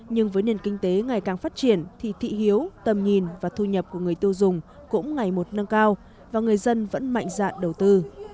nhưng với nền kinh tế ngày càng phát triển thì thị hiếu tầm nhìn và thu nhập của người tiêu dùng cũng ngày một nâng cao và người dân vẫn mạnh dạn đầu tư